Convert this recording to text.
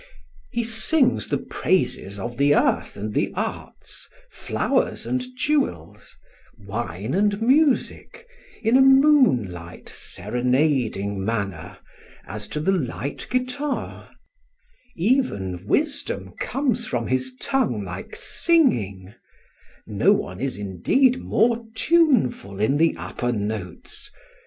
He sings the praises of the earth and the arts, flowers and jewels, wine and music, in a moonlight, serenading manner, as to the light guitar; even wisdom comes from his tongue like singing; no one is, indeed, more tuneful in the upper notes.